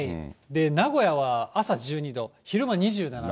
名古屋は朝１２度、昼間２７度。